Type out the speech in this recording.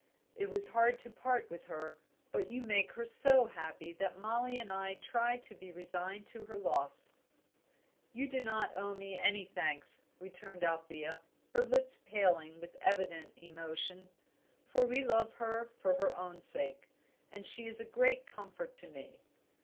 "It was hard to part with her, but you make her so happy that Mollie and I try to be resigned to her loss." "You do not owe me any thanks," returned Althea, her lips paling with evident emotion, "for we love her for her own sake, and she is a great comfort to me.